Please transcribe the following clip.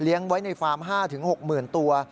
เลี้ยงไว้ในฟาร์ม๕๖หมื่นตัว